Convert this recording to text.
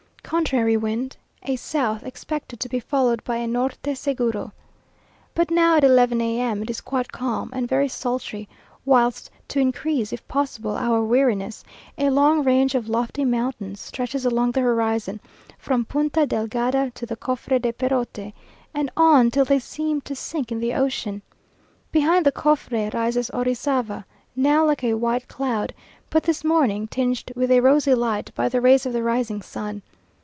Contrary wind. A south, expected to be followed by a "norte seguro." But now, at eleven, A.M., it is quite calm, and very sultry, whilst to increase, if possible, our weariness, a long range of lofty mountains stretches along the horizon, from Punta Delgada to the Cofre de Perote, and on till they seem to sink in the ocean. Behind the Cofre rises Orizava, now like a white cloud, but this morning tinged with a rosy light by the rays of the rising sun.